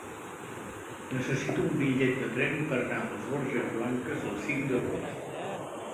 Necessito un bitllet de tren per anar a les Borges Blanques el cinc d'agost.